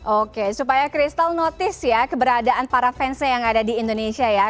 oke supaya kristal notice ya keberadaan para fansnya yang ada di indonesia ya